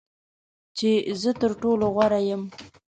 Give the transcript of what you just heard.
چې زه تر ټولو غوره یم .